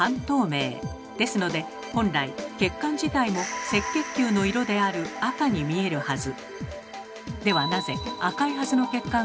ですので本来血管自体も赤血球の色である赤に見えるはず。